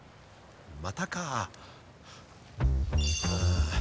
またかあ。